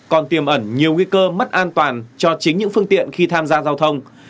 còn tiềm ẩn nhiều nguy cơ mất an toàn cho chính những phương tiện khi tham gia giao thông